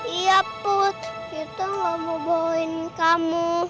iya put kita gak mau bohongin kamu